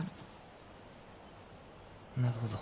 なるほど。